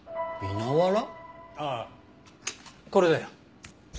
ああこれだよ。